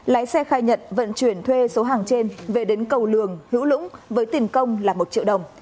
lái xe khai nhận vận chuyển thuê số hàng trên về đến cầu lường hữu lũng với tiền công là một triệu đồng